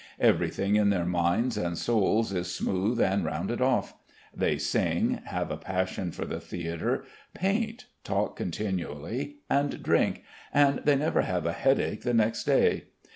Everything in their minds and souls is smooth and rounded off. They sing, have a passion for the theatre, paint, talk continually, and drink, and they never have a headache the next day.